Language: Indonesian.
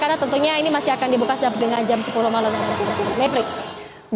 karena tentunya ini masih akan dibuka setiap dengan jam sepuluh malam